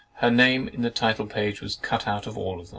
Her name in the title page was cut out of them all.